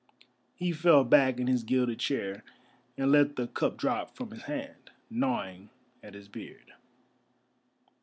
He fell back in his gilded chair, and let the cup drop from his hand, gnawing at his beard.